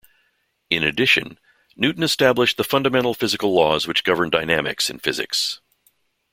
In addition, Newton established the fundamental physical laws which govern dynamics in physics.